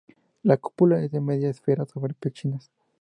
La cúpula es de media esfera sobre pechinas.